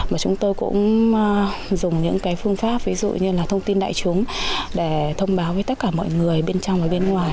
mà chúng tôi cũng dùng những cái phương pháp ví dụ như là thông tin đại chúng để thông báo với tất cả mọi người bên trong và bên ngoài